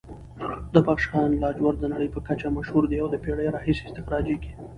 د بدخشان لاجورد د نړۍ په کچه مشهور دي او د پېړیو راهیسې استخراجېږي.